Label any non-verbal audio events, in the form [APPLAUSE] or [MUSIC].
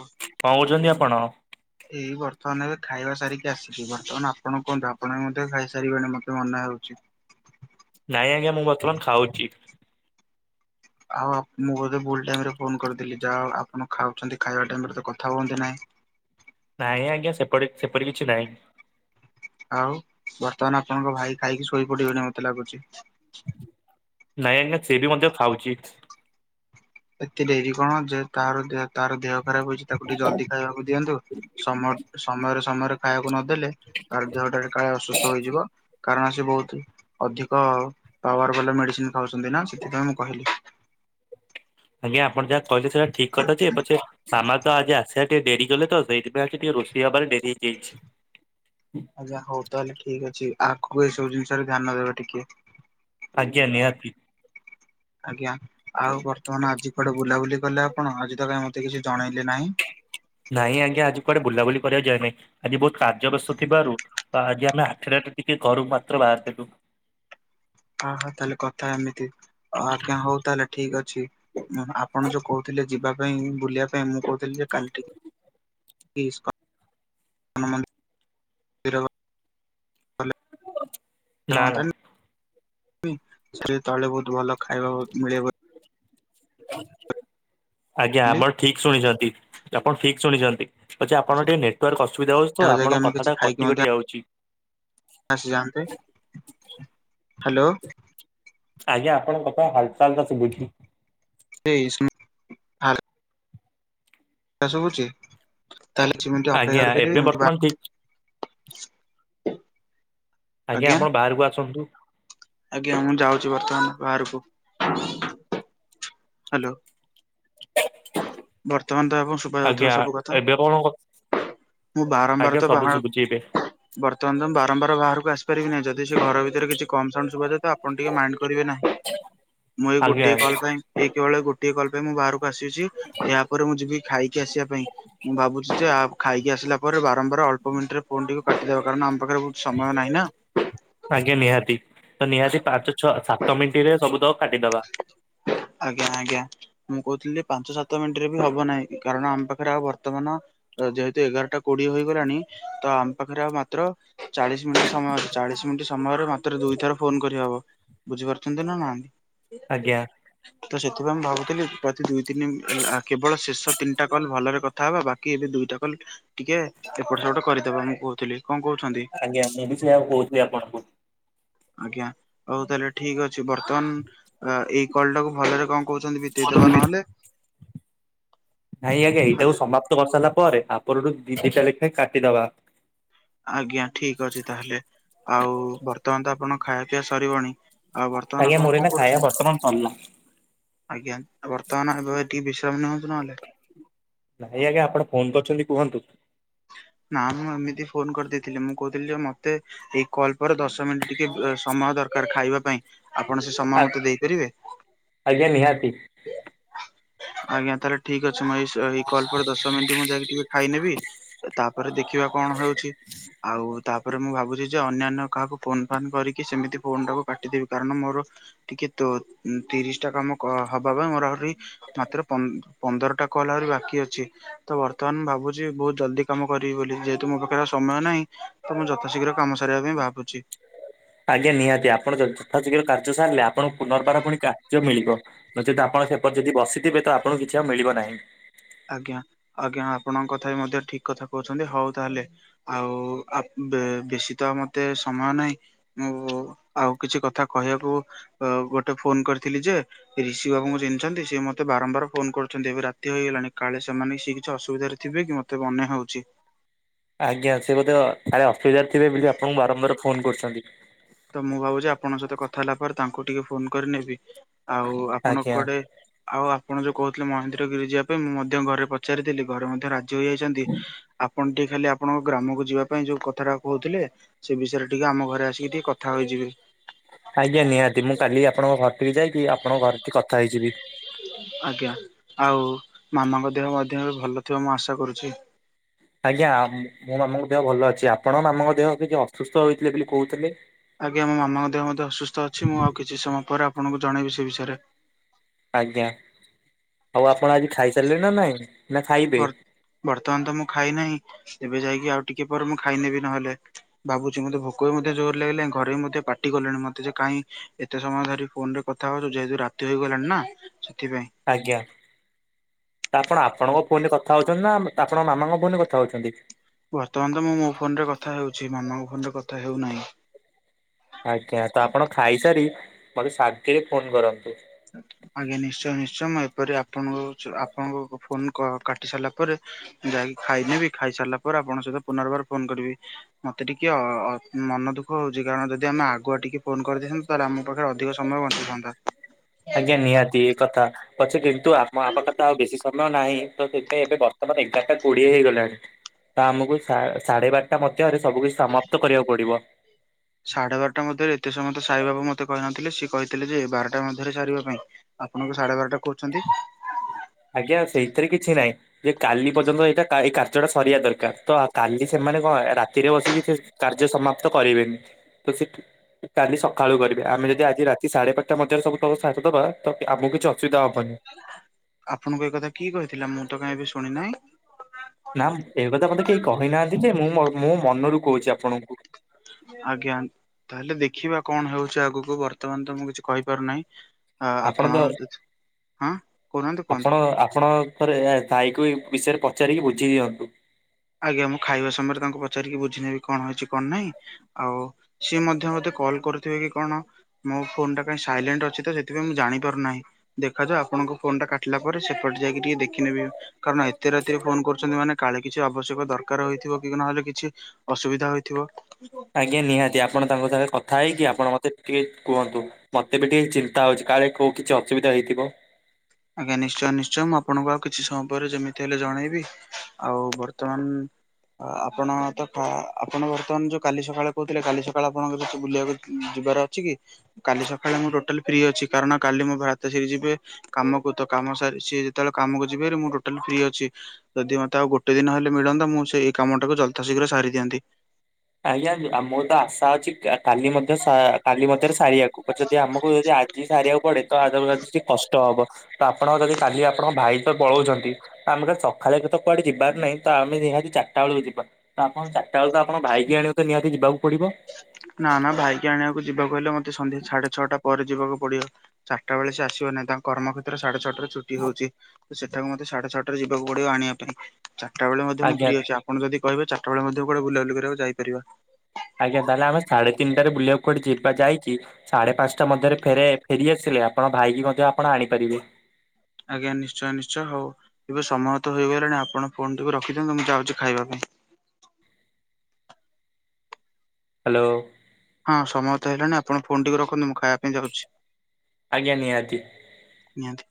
ହଁ। ହଁ କରୁଚନ୍ତି ଆପଣ? ଏଇ ବର୍ତ୍ତମାନ ଏବେ ଖାଇବା ସାରିକି ଆସିଛି ବର୍ତ୍ତମାନ ଆପଣ କୁହନ୍ତୁ ଆପଣ ବି ମଧ୍ୟ ଖାଇସାରିବେନି ମତେ ମନେ ହୋଉଚି। ନାଇଁ ଆଜ୍ଞା ମୁଁ ବର୍ତ୍ତମାନ ଖାଉଚି। ଆଉ ମୁଁ ବୋଧେ ଭୁଲ୍ ଟାଇମରେ ଫୋନ କରିଦେଲି ଯାହା ଆପଣ ଖାଉଛନ୍ତି ଖାଇବା ଟାଇମରେ ତ କଥା ହୁଅନ୍ତି ନାହିଁ। ନାଈ ଆଜ୍ଞା ସେପଢ଼ି ସେପରି କିଛି ନାହିଁ। ଆଉ ବର୍ତ୍ତମାନ ଆପଣଙ୍କ ଭାଇ ଖାଇକି ଶୋଇ ପଡିବଣି ମତେ ଲାଗୁଚି। ନାଇଁ ଆଜ୍ଞା ସେବି ମଧ୍ୟ ଖାଉଚି। ଏତେ ଡେରି କଣ ଯେ ତାର ତାର ଦେହ ଖରାପ ହୋଇଚି ତାକୁ ଟିକେ ଜଲ୍ଦି ଖାଇବାକୁ ଦିଅନ୍ତୁ। ସମ ସମୟରେ ସମୟରେ ଖାଇବାକୁ ନଦେଲେ ତାର ଦେହଟାରେ କାଳେ ଅସୁସ୍ଥ ହୋଇଯିବ। କାରଣ ସେ ବୋହୁତୁ ଅଧିକ ପାୱାର୍ ବାଲା ମେଡିସିନ୍ ଖାଉଛନ୍ତି ନା ସେଥିପାଇଁ ମୁଁ କହିଲି। ଆଜ୍ଞା ଆପଣ ଯାହା କହିଲେ ସେଟା ଠିକ କଥା ଯେ ପଛ ସାମା ତ ଆଜି ଆସିଆ ଟିକେ ଡେରି ଗଲେ ତ ସେଇଥିପାଇଁ ଟିକେ ରୋଷେଇବାରେ ଡେରି ହେଇଯାଇଛି। ଆଜ୍ଞା ହୋଉ ତାହେଲେ ଠିକ ଅଛି ଆଗକୁ ଏସବୁ ଜିନିଷରେ ଧ୍ୟାନ ଦେବା ଟିକେ। ଆଜ୍ଞା ନିହାତି। ଆଜ୍ଞା ଆଉ ବର୍ତ୍ତମାନ ଆଜି କୁଆଡେ ବୁଲାବୁଲି କଲେ ଆପଣ ଆଜି ତ କାହିଁ ମତେ କିଛି ଜଣେଇଲେ ନାହିଁ? ନାଇଁ ଆଜ୍ଞା ଆଜି କୁଆଡେ ବୁଲାବୁଲି କରିବାକୁ ଯାଏ ନାହିଁ ଆଜି ବୋହୁତ୍ କାର୍ଯ୍ୟ ବ୍ୟସ୍ତ ଥିବାରୁ ତ ଆଜି ଆମେ ହାଠଟାରେ ଟିକେ ଘରୁକୁ ମାତ୍ର ବାହାରିଥିଲୁ। ହଁ ହଁ ତାହେଲେ କଥା ଏମିତି ଆଜ୍ଞା ହୋଉ ତାହାଲେ ଠିକ୍ ଅଛି ଆପଣ ଯୋଉ କୋହୁ ଥିଲେ ଯିବା ପାଇଁ ବୁଲିବା ପାଇଁ ମୁଁ କୋହୁଥିଲି ଯେ କାଲି ଟି [UNINTELLIGIBLE] ନା ନା ହ ସେ ତଳେ ବୋହୁତ୍ ଭଲ ଖାଇବା ମିଳେ ଆଜ୍ଞା ବୋଲି ଆପଣ ଠିକ ଶୁଣିଛନ୍ତି, ଆପଣ ଠିକ୍ ଶୁଣିଛନ୍ତି। ଆଛା ଆପଣଙ୍କ ସେଠାକୁ ଟିକେ ନେଟୱାର୍କ ଅସୁବିଧା ହୋଉଛି ତ ଯାଇକି ଆପଣଙ୍କ ଆମେ କିଛି କଥାଟା କଟି କଟି ଆଉଛି। ଆସି ଯାନ୍ତେ ହ୍ୟାଲୋ। ଆଜ୍ଞା ଆପଣଙ୍କ କଥା ହାଲ୍କା ହାଲ୍ତା ସୁବୁଛି। ଏଇ ସୁନ ତାହେଲେ ସବୁଛି ତାହେଲେ ଦି ମିନିଟ୍ ଅପେକ୍ଷା ଆଜ୍ଞା ଏବେ କରିପାରିବ। ବର୍ତ୍ତମାନ ଠିକ [UNINTELLIGIBLE] [INAUDIBLE] ଆଜ୍ଞା ଆପଣ ବାହାରକୁ ଆସନ୍ତୁ? ଆଜ୍ଞା ମୁଁ ଯାଉଛି ବର୍ତ୍ତମାନ ବାହାରକୁ। ହ୍ୟାଲୋ। ବର୍ତ୍ତମାନତ ଆପ ଶୁଭାଯାଉଥିବା ଆଜ୍ଞା ସବୁ କଥା। ଏବେ କଣ କ ମୁଁ ବାରମ୍ବାର ଆଜ୍ଞା ତ ସବୁ ବାହା ଶୁଭୁଛି ଏବେ ବର୍ତମାନ ତ ମୁଁ ବାରମ୍ବାର ବାହାରକୁ ଆସି ପାରିବି ନାଇଁ ଯଦି ସେ ଘର ଭିତରେ କିଛି କମ୍ ସାଉଣ୍ଡ ଶୁଭା ଯାଏ ତ ଆପ ଆପଣ ଟିକେ ମାଇଣ୍ଡ କରିବେ ନାହିଁ ମୁଁ ଏଇ ଆଜ୍ଞା ଗୋଟିଏ ଆଜ୍ଞା କଲ ପାଇଁ ଏ କେବଳ ଗୋ ଗୋଟିଏ କଲ ପାଇଁ ମୁଁ ବାହାରକୁ ଆସିଛି ଏହା ପରେ ମୁଁ ଯିବି ଖାଇକି ଆସିବା ପାଇଁ। ମୁଁ ଭାବୁଛି ଯେ ଆ ଖାଇକି ଆସିଲା ପରେ ବା ଆମର ଅଳପ ମିନିଟ୍ ରେ ଫୋନ୍କୁ କାଟିଦେବା କାରଣ ଆମ ପାଖରେ ବି ସମୟ ନାହିଁ ନା। ଆଜ୍ଞା ନିହାତି ତ ନିହାତି ପାଞ୍ଚ, ଛଅ, ସାତ ମିନିଟ ରେ ସବୁ ଦକ କାଟିଦବା। ଆଜ୍ଞା ଆଜ୍ଞା। ମୁଁ କହୁଥିଲି ପାଞ୍ଚ ସାତ ମିନିଟରେ ବି ହବ ନାହିଁ କାରଣ ଆମ ପାଖରେ ଆଉ ବର୍ତ୍ତମାନ ଯେହେତୁ ଏଗାରଟା କୋଡିଏ ହେଇଗଲାଣି ତ ଆମ ପାଖରେ ଆଉ ମାତ୍ର ଚାଳିଶ ମିନିଟ ସମୟରେ ଚାଳିଶ ମିନିଟ୍ ସମୟରେ ମାତ୍ର ଦୁଇଥର ଫୋନ କରିହବ। ବୁଝିପାରୁଛନ୍ତି ନା ନାହିଁ? ଆଜ୍ଞା। ତ ସେଥିପାଇଁ ମୁଁ ଭାବୁଥିଲି ପ୍ରତି ଦୁଇ ତିନି କେବଳ ଶେଷ ତିନିଟା କଲ୍ ଭଲରେ କଥା ହେବା ବାକି ଏବେ ଦୁଇଟା କଲ୍ ଟିକେ ଏପଟ ସେପଟ କରିଦବା ମୁଁ କହୁଥିଲି କଣ କହୁଛନ୍ତି? ଆଜ୍ଞା ମୁଁ ବି ସେୟଆକୁ କହୁଥିଲି ଆପଣଙ୍କୁ। ଆଜ୍ଞା ହଉ ତାହେଲେ ଠିକ ଅଛି। ବର୍ତ୍ତମାନ ଏଇ କଲ ଟାକୁ ଭଲରେ କଣ କହୁଛନ୍ତି ବିତେଇଦବା ନହେଲେ। ନାଇଁ ଆଜ୍ଞା ଏଇଟାକୁ ସମାପ୍ତ କରିସାରିଲା ପରେ ଆପରଠୁ ଦି ଦିଟା ଲେଖାଏଁ କାଟିଦବା। ଆଜ୍ଞା ଠିକ ଅଛି ତାହେଲେ ଆଉ ବର୍ତ୍ତମାନ ତ ଆପଣ ଖାଇବା ପିଇଆ ସରିବଣି। ଆଉ ବର୍ତ୍ତମାନ ଆଜ୍ଞା ଆପଣ ମୋର କଣ ଏଇନା ଖାଇବା କରୁଛନ୍ତି? ବର୍ତ୍ତମାନ ସରଲା। ଆଜ୍ଞା ବର୍ତ୍ତମାନ ଏବେ ଟିକେ ବିଶ୍ରାମ ନିଅନ୍ତୁ ନହେଲେ। ନାଇଁ ଆଜ୍ଞା ଆପଣ ଫୋନ କରିଛନ୍ତି କୁହନ୍ତୁ? ନା ମୁଁ ଏମିତି ଫୋନ କରିଦେଇଥିଲି ମୁଁ କହୁଥିଲି ଯେ ମତେ ଏଇ କଲ୍ ପରେ ଦଶ ମିନିଟ ଟିକେ ଏ ସମୟ ଦରକାର ଖାଇବା ପାଇଁ। ଆପଣ ସେ ଆ ସମୟ ମତେ ଦେଇପାରିବେ? ଆଜ୍ଞା ନିହାତି। ଆଜ୍ଞା ତାହେଲେ ଠିକ ଅଛି ମୁଁଇ ଏଇ କଲ୍ ପରେ ଦଶ ମିନିଟ୍ ମୁଁ ଯାଇକି ଟିକେ ଖାଇନେବି, ତାପରେ ଦେଖିବା କଣ ହଉଛି? ଆଉ ତାପରେ ମୁଁ ଭାବୁଛି ଯେ ଅନ୍ୟାନ୍ୟ କାହାକୁ ଫୋନ୍ ଫାନ୍ କରିକି ସେମିତି ଫୋନ ଟାକୁ କାଟିଦେବି। କାରଣ ମୋର ଟିକେ ତ ତିରିଶ ଟା କାମ ହବା ପାଇଁ ମୋର ଆହୁରି ପନ୍ଦ୍ ପନ୍ଦରଟା କଲ ଆହୁରି ବାକି ଅଛି ତ ବର୍ତ୍ତମାନ ମୁଁ ଭାବୁଛି ବହୁତ ଜଲଦି କାମ କରିବି ବୋଲି ଯେହେତୁ ମୋ ପାଖରେ ଆଉ ସମୟ ନାହିଁ ତ ମୁଁ ଯଥାଶୀଘ୍ର କାମ ସାରିବା ପାଇଁ ଭାବୁଛି। ଆଜ୍ଞା ନିହାତି ଆପଣ ଯ ଯଥାଶୀଘ୍ର କାର୍ଯ୍ୟ ସାରିଲେ ଆପଣଙ୍କୁ ପୁନର୍ବାର ପୁଣି କାର୍ଯ୍ୟ ମିଳିବ। ନଚେତ ଆପଣ ସେପର ଯଦି ବସିଥିବେ ତ ଆପଣଙ୍କୁ କିଛି ଆଉ ମିଳିବ ନାହିଁ। ଆଜ୍ଞା ଆଜ୍ଞା ଆପଣଙ୍କ କଥା ମଧ୍ୟ ଠିକ କଥା କହୁଛନ୍ତି ହଉ ତାହେଲେ। ଆଉ ଆ ବେ ବେଶୀ ତ ମତେ ସମୟ ନାହିଁ। ମୁ ଆଉ କିଛି କଥା କହିବାକୁ ଅ ଗୋଟେ ଫୋନ କରିଥିଲି ଯେ। ରିଷି ବାବୁଙ୍କୁ ଚିହ୍ନିଛନ୍ତି ସିଏ ମତେ ବାରମ୍ବାର ଫୋନ କରୁଛନ୍ତି ଏବେ ରାତି ହେଇଗଲାଣି। କାଳେ ସେମାନେ ସେଏ କିଛି ଅସୁବିଧାରେ ଥିବ କି ମତେ ମନେ ହଉଛି। ଆଜ୍ଞା ସେ ବୋଧେ କାଳେ ଅସୁବିଧାରେ ଥିବେ ବୋଲି ଆପଣଙ୍କୁ ବାରମ୍ବାର ଫୋନ କରୁଛନ୍ତି। ତ ମୁଁ ଭାବୁଛି ଆପଣଙ୍କ ସହିତ କଥା ହେଲା ପରେ ତାଙ୍କୁ ଟିକେ ଫୋନ କରି ନେବି। ଆଉ ଆପଣ ଆଜ୍ଞା କୁଆଡେ ଆଉ ଆପଣ ଯୋଉ କହୁଥିଲେ ମହେନ୍ଦ୍ରଗିରି ଯିବା ପାଇଁ ମୁଁ ମଧ୍ୟ ଘରେ ପଚାରିଥିଲି ଘରେ ମଧ୍ୟ ରାଜ ଜୋଇ ଯାଇଛନ୍ତି ଆପଣ ଟିକେ ଖାଲି ଆପଣଙ୍କ ଗ୍ରାମକୁ ଯିବା ପାଇଁ ଯୋଉ କଥାଟା କହୁଥିଲେ ସେ ବିଷୟରେ ଟିକେ ଆମ ଘରେ ଆସିକି ଟିକେ ଥା ହୋଇଯିବି। ଆଜ୍ଞା ନିହାତି ମୁଁ କାଲି ଆପଣଙ୍କ ଘର ଟିକି ଯାଇକି ଆପଣଙ୍କ ଘର କଥା ହେଇଯିବି। ଆଜ୍ଞା ଆଉ ମାମାଙ୍କ ଦେହ ମଧ୍ୟ ଏ ଭଲ ଥିବା ମୁଁ ଆଶା କରୁଛି। ଆଜ୍ଞା ମୋ ମାମାଙ୍କ ଦେହ ଭଲ ଅଛି ଆପଣ ମାମାଙ୍କ ଦେହ ଅବିକା ଅସୁସ୍ଥ ହୋଇଥିଲେ ବୋଲି କହୁଥିଲେ। ଆଜ୍ଞା ମୋ ମାମାଙ୍କ ଦେହ ମଧ୍ୟ ଅସୁସ୍ଥ ଅଛି ମୁଁ ଆଉ କିଛି ସମୟ ପରେ ଆପଣଙ୍କୁ ଜଣେଇବି ସେ ବିଷୟରେ ଆଜ୍ଞା ଆଉ ଆପଣ ଆଜି ଖାଇସାରିଲେ ନା ନାଇଁ ନା ଖାଇବେ? ବର୍ ବର୍ତ୍ତମାନ ତ ମୁଁ ଖାଇନାହିଁ ଏବେ ଯାଇକି ଆଉ ଟିକେ ପରେ ମୁଁ ଖାଇନେବି ନହେଲେ ଭାବୁଛି ମତେ ଭୋକ ବି ମଧ୍ୟ ଜୋର ଲାଗିଲାଣି ଘରେ ବି ମଧ୍ୟ ପାଟି କଲେଣି ମତେ ଯେ କାଇଁ ଏତେ ସମୟ ଧରି ଫୋନ ରେ କଥା ହଉଛୁ ଯେହେତୁ ରାତି ହେଇଗଲାଣି ନା ସେଥିପାଇଁ। ଆଜ୍ଞା। ତା ଆପଣ ଆପଣଙ୍କ ଫୋନ ରେ କଥା ହଉଛନ୍ତି ନା ଆପଣଙ୍କ ମାମାଙ୍କ ଫୋନ ରେ କଥା ହଉଛନ୍ତି। ବର୍ତ୍ତମାନ ତ ମୁଁ ମୋ ଫୋନ ରେ କଥା ହେଉଛି ମାମାଙ୍କ ଫୋନରେ କଥା ହେଉନାହିଁ। ଆଜ୍ଞା ତ ଆପଣ ଖାଇସାରି ମତେ ଶାନ୍ତିରେ ଫୋନ କରନ୍ତୁ। ଆଜ୍ଞା ନିଶ୍ଚୟ ନିଶ୍ଚୟ ମୁଁ ଏପରି ଆପଣ ଆପଣଙ୍କ ଫୋନ କାଟି ସାରିଲା ପରେ ଯାଇକି ଖାଇ ନେବି ଖାଇ ସାରିଲା ପରେ ଆପଣଙ୍କ ସହିତ ପୁନର୍ବାର ଫୋନ କରିବି। ମତେ ଟିକେ ଅ ମନ ଦୁଃଖ ହଉଛି କାରଣ ଯଦି ଆମେ ଆଗୁଆ ଟିକେ ଫୋନ କରିଦେଇନ୍ତ। ତାହେଲେ ଆମ ପାଖରେ ଅଧିକ ସମୟ ବଞ୍ଚିଥାନ୍ତା। ଆଜ୍ଞା ନିହାତି ଏ କଥା। ପଛେ କିନ୍ତୁ ଆମ ପାଖରେ ତ ଆଉ ବେଶୀ ସମୟ ନାହିଁ ତ ଏବେ ବର୍ତ୍ତମାନ ଏଗାରଟା କୋଡିଏ ହେଇଗଲାଣି। ତ ଆମକୁ ସାଢେ ବାରଟା ମଧ୍ୟରେ ସବୁ କିଛି ସମାପ୍ତ କରିବାକୁ ପଡିବ। ସାଢେ ବାରଟା ମଧ୍ୟରେ ଏତେ ସମୟ ତ ସାରିବାକୁ ମତେ କହିନଥିଲେ, ସିଏ କହିଥିଲେ ଯେ ବାରଟା ମଧ୍ୟରେ ସାରିବା ପାଇଁ। ଆପଣଙ୍କୁ ସାଢେ ବାରଟା କହୁଛନ୍ତି। ଆଜ୍ଞା ସେଇଥିରେ କିଛି ନାହିଁ। ଯେ କାଲି ପର୍ଯ୍ୟନ୍ତ ଏଇଟା ଏଇ କାର୍ଯ୍ୟଟା ସରିବା ଦରକାର ତ କାଲି ସେମାନେ କଣ ରାତିରେ ବସିକି ସେ କାର୍ଯ୍ୟ ସମାପ୍ତ କରାଇବେନି ତ ସେଠ କାଲି ସକାଳୁ କରିବେ ଆମେ ଯଦି ଆଜି ରାତି ସାଢ଼େ ପାଞ୍ଚଟା ମଧ୍ୟରେ ସବୁ ତ ସାଯ୍ୟ ଦେବା ତ ଆମକୁ କିଛି ଅସୁବିଧା ହବନି। ଆପଣଙ୍କୁ ଏ କଥା କିଏ କହିଥିଲା ମୁଁ ତ କାହିଁ ଶୁଣି ନାହିଁ। ନା ଏ କଥା ମତେ କେହି କହିନାହାନ୍ତି ଯେ ମୁଁ ମୋ ମନରୁ କହୁଛି ଆପଣଙ୍କୁ। ଆଜ୍ଞା। ତାହେଲେ ଦେଖିବା କଣ ହଉଛି ଆଗକୁ ବର୍ତ୍ତମାନ ତ ମୁଁ କିଛି କହିପାରୁନାହିଁ। [UNINTELLIGIBLE] ଆପଣ ହଁ କହୁନାହାନ୍ତି ଆପଣ କୁହନ୍ତୁ। ଆପଣ ଥରେ ସାଇକୁ ଏ ବିଷୟରେ ପଚାରିକି ବୁଝି ଦିଅନ୍ତୁ। ଆଜ୍ଞା ମୁଁ ଖାଇବା ସମୟରେ ତାଙ୍କୁ ପଚାରିକି ବୁଝି ନେବି କଣ ହେଇଛି କଣ ନାହିଁ ଆଉ ସିଏ ମଧ୍ୟ ମତେ କଲ କରୁଥିବେ କି କଣ ମୋ ଫୋନ୍ ଟା କାହିଁ ସାଇଲେଣ୍ଟ ଅଛି ତ ସେଥିପାଇଁ ଜଣିପାରୁନାହିଁ। ଦେଖାଯଉ ଆପଣଙ୍କ ଫୋନ ଟା କାଟିଲା ପରେ ସେପଟେ ଯାଇକି ଟିକେ ଦେଖିନେବି କାରଣ ଏତେ ରାତିରେ ଫୋନ କରୁଛନ୍ତି ମାନେ କାଳେ କି କିଛି ଆବଶ୍ୟକ ଦରକାର ହୋଇଇଥିବ କି ନହେଲେ କିଛି ଅସୁବିଧା ହୋଇଥିବ। ଆଜ୍ଞା ନିହାତି ଆପଣ ତାଙ୍କ ସାଙ୍ଗରେ କଥା ହେଇକି ଆପଣ ମୋତେ ଟିକେ କୁହନ୍ତୁ। ମତେ ବି ଟିକେ ଚିନ୍ତା ହଉଛି କାଳେ କୋଉ କିଛି ଅସୁବିଧା ହେଇଥିବ। ଆଜ୍ଞା ନିଶ୍ଚୟ ନିଶ୍ଚୟ ମୁଁ ଆପଣଙ୍କୁ ଆଉ କିଛି ସମୟ ପରେ ଯେମିତି ହେଲେ ଜଣେଇବି। ଆଉ ବର୍ତ୍ତମାନ ଆପଣ ତ ଆପଣ ବର୍ତ୍ତମାନ ଯୋଉ କାଲି ସକାଳେ କହୁଥିଲେ କାଲି ସକାଳେ ଆପଣଙ୍କର ବୁଲିବାକୁ ଯିବାର ଅଛି କି। କାଲି ସକାଳେ ମୁଁ ଟୋଟାଲ ଫ୍ରି ଅଛି କାରଣ କାଲି ମୋ ଭ୍ରାତାସ୍ରୀ ଯିବେ କାମକୁ ତ କାମ ସାରି ସିଏ ଯେତେବେଳେ କାମକୁ ଯିବ ହେରି ମୁଁ ଟୋଟାଲି ଫ୍ରି ଅଛି। ଯଦି ମୋତେ ଆଉ ଗୋଟେ ଦିନ ହେଲେ ମିଳନ୍ତା ମୁଁ ସେଇ କାମଟାକୁ ଯଥା ଶୀଘ୍ର ସାରି ଦିଅନ୍ତି। ଆଜ୍ଞା ମୋର ତ ଆଶା ଅଛି କାଲି ମଧ୍ୟ ସା କାଲି ମଧ୍ୟରେ ସାରିବାକୁ ଯଦି ଆମକୁ ଯଦି ଆଜି ସାରିବାକୁ ପଡେ ତ [UNINTELLIGIBLE] କଷ୍ଟ ହବ। ତ ଆପଣ ଯଦି କାଲି ଆପଣଙ୍କ ଭାଇ ତ ପଳଉଛନ୍ତି। ଆମକୁ ତ ସଖାଳେ ତ କୁଆଡେ ଯିବାର ନାହିଁ ତ ଆମେ ନିହାତି ଚାରଟା ବେଳକୁ ଯିବା ତ ଆପଣ ଚାରଟା ବେଳକୁ ତ ଆପଣଙ୍କ ଭାଇ କିଏ ଆଣିବାକୁ ତ ନିହାତି ଯିବାକୁ ପଡିବ। ନା ନା ଭାଇକି ଆଣିବାକୁ ଯିବାକୁ ହେଲେ ମତେ ସଂନ୍ଧ୍ୟା ସାଢେ ଛଅଟା ପରେ ଯିବାକୁ ପଡିବ। ଚାରିଟା ବେଳେ ସେ ଆସିବ ନାହିଁ ତାଙ୍କ କର୍ମକ୍ଷେତ୍ର ସାଢେ ଛଅଟା ରେ ଛୁଟି ହଉଛି। ତ ସେତାକୁ ମୋତେ ସାଢେ ଛଅଟା ରେ ଯିବାକୁ ପଡିବ ଆଣିବା ପାଇଁ ଚାରିଟା ବେଳେ ମଧ୍ୟ ମୁଁ ଆଜ୍ଞା ଫ୍ରି ଅଛି ଆ ଆପଣ ଯଦି କହିବେ ଚାରିଟା ବେଳେ ମଧ୍ୟ କୁଆଡେ ବୁଲାବୁଲି କରିବାକୁ ଯାଇପାରିବା। ଆଜ୍ଞା ତାହେଲେ ଆମେ ସାଢେ ତିନିଟାରେ ବୁଲିବାକୁ କୁଆଡେ ଯିବା ଯାଇକି ସାଢେ ପାଞ୍ଚଟା ମଧ୍ୟରେ ଫେରେ ଫେରିଆସିଲେ ଆପଣ ଭାଇକି ମଧ୍ୟ ଆପଣ ଆଣିପାରିବେ। ଆଜ୍ଞା ନିଶ୍ଚୟ ନିଶ୍ଚୟ ହଉ ଏବେ ସମୟ ତ ହୋଇଗଲାଣି ଆପଣ ଫୋନ ଟିକୁ ରଖିଦିଅନ୍ତୁ ମୁଁ ଯାଉଛି ଖାଇବା ପାଇଁ। ହ୍ୟାଲୋ। ହଁ ସମୟ ତ ହେଲଣିି ଆପଣ ଫୋନ ଟିକେ ରଖନ୍ତୁ ମୁଁ ଖାଇବା ପାଇଁ ଯାଉଛି। ଆଜ୍ଞା ନିହାତି। ନିହାତି।